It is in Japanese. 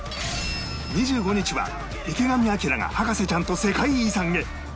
２５日は池上彰が博士ちゃんと世界遺産へ